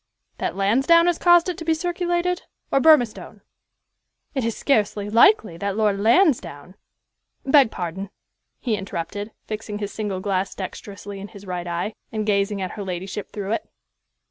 "That Lansdowne has caused it to be circulated or Burmistone?" "It is scarcely likely that Lord Lansdowne" "Beg pardon," he interrupted, fixing his single glass dexterously in his right eye, and gazing at her ladyship through it.